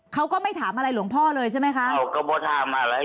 เขาก็ไม่ถามอะไรหลวงพ่อเลยใช่ไหมคะเขาก็มาถามอะไร